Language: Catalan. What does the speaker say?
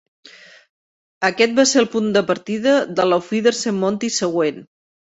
Aquest va ser el punt de partida del "Auf Wiedersehen Monty" següent.